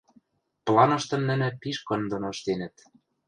Планыштым нӹнӹ пиш кын доно ӹштенӹт.